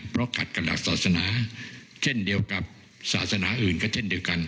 เพราะขัดกับหลักศาสนาเช่นเดียวกับศาสนาอื่นก็เช่นเดียวกัน